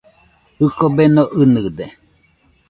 Jɨko beno ɨnɨde.